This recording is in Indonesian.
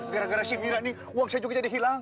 gara gara si mirani